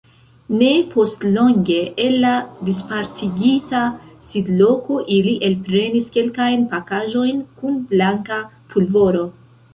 Ne postlonge el la dispartigita sidloko ili elprenis kelkajn pakaĵojn kun blanka pulvoro.